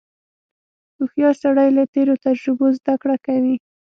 • هوښیار سړی له تېرو تجربو زدهکړه کوي.